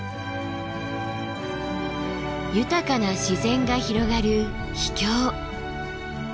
豊かな自然が広がる秘境。